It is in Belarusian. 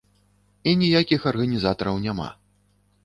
І ніякіх арганізатараў няма.